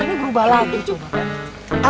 ini berubah lagi coba